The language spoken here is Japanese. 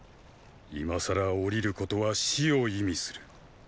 今さら降りることは死を意味する。